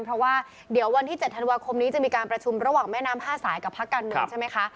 เพราะว่าเดี๋ยววันที่๗ธันวาคมนี้จะมีการประชุมระหว่างแม่น้ำ๕สายกับพักการเมืองใช่ไหมคะ